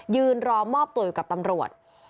ยืนรอมอบตัวอยู่กับตำรวจ